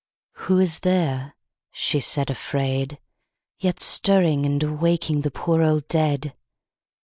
II. Who is there, she said afraid, yet Stirring and awaking The poor old dead?